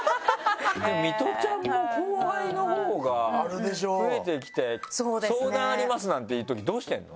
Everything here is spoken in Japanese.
でもミトちゃんも後輩のほうが増えてきて「相談あります」なんていうときどうしてるの？